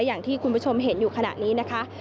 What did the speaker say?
อย่างที่คุณผู้ชมเห็นอยู่ขณะนี้นะคะ